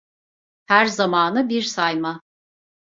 Her zamanı bir sayma.